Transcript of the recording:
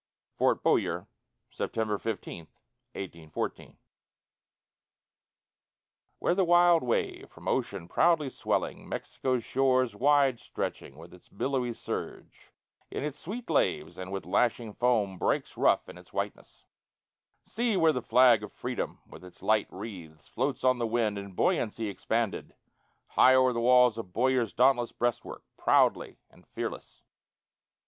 FORT BOWYER [September 15, 1814] Where the wild wave, from ocean proudly swelling, Mexico's shores, wide stretching, with its billowy Surge, in its sweep laves, and, with lashing foam, breaks, Rough in its whiteness; See where the flag of Freedom, with its light wreaths, Floats on the wind, in buoyancy expanded High o'er the walls of Bowyer's dauntless breastwork, Proudly and fearless.